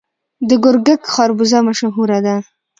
د ګرګک خربوزه مشهوره ده.